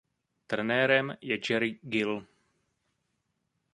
Trenérem je Jerry Gill.